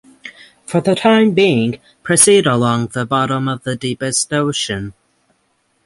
For the time being proceed along the bottom of the deepest ocean.